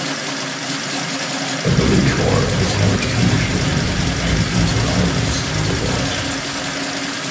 Emily Carr has an articulation agreement with Vancouver Island School of Art.